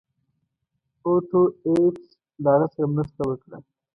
اوټو ایفز له هغه سره مرسته وکړه.